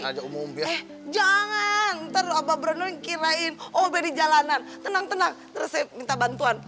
ke umum ya jangan terlalu berani kirain obat di jalanan tenang tenang terus minta bantuan